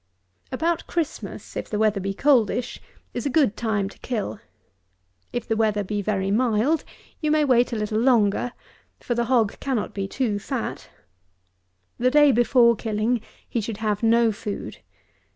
146. About Christmas, if the weather be coldish, is a good time to kill. If the weather be very mild, you may wait a little longer; for the hog cannot be too fat. The day before killing he should have no food.